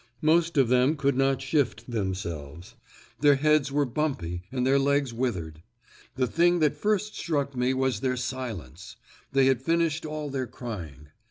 Most of them could not shift themselves; their heads were bumpy and their legs withered. The thing that first struck me was their silence; they had finished all their crying.